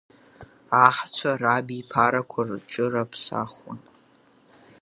Аҳцәа рабиԥарақәа рҽырыԥсахуан.